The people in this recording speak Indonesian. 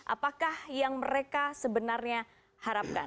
apakah yang mereka sebenarnya harapkan